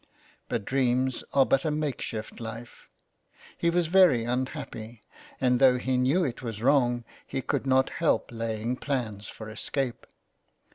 But dreams are but a makeshift life. He was very un happy, and though he knew it was wrong he could not 283 so ON HE FARES. help laying plans for escape.